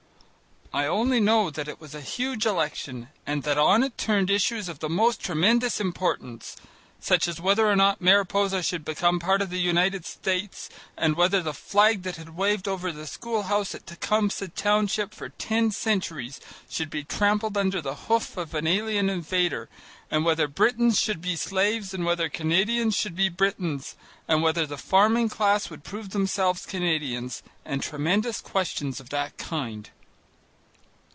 I only know that it was a huge election and that on it turned issues of the most tremendous importance, such as whether or not Mariposa should become part of the United States, and whether the flag that had waved over the school house at Tecumseh Township for ten centuries should be trampled under the hoof of an alien invader, and whether Britons should be slaves, and whether Canadians should be Britons, and whether the farming class would prove themselves Canadians, and tremendous questions of that kind.